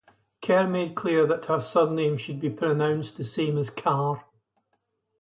Kerr made clear that her surname should be pronounced the same as "car".